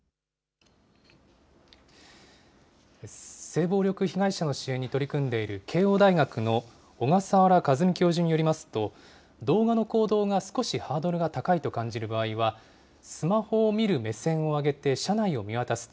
性暴力被害者の支援に取り組んでいる、慶応大学の小笠原和美教授によりますと、動画の行動が少しハードルが高いと感じる場合は、スマホを見る目線を上げて車内を見渡す。